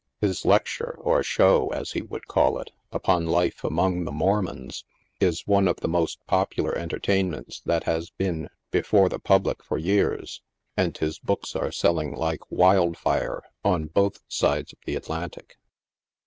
His lecture, or '• show," as he would call it himself, upon life among the Mor mons, is one of the most popular entertainments that has been be fore the public for years, and his books are selling like " wild fire" on both sides of the Atlantic.